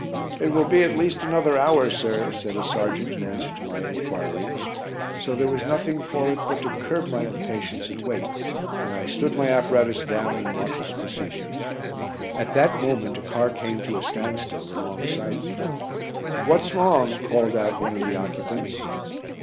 "It will be at least another hour, sir," said a sergeant in answer to my enquiry. So there was nothing for it but to curb my impatience and wait, and I stood my apparatus down and watched the proceedings. At that moment a car came to a standstill alongside me. "What's wrong?" called out one of the occupants.